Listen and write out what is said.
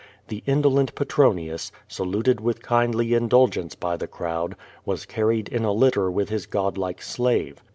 The indolent Petro nius, saluted with kindly indulgence by the crowd, was car ried in a litter with his godlike slave.